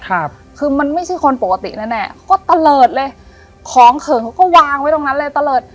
ครับคือมันไม่ใช่คนปกติแน่แน่เขาก็ตะเลิศเลยของเขินเขาก็วางไว้ตรงนั้นเลยตะเลิศ